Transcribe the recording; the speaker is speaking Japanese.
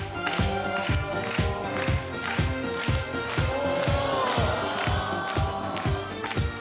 ・お！